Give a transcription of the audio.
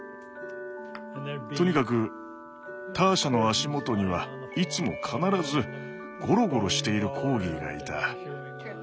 とにかくターシャの足元にはいつも必ずごろごろしているコーギーがいた。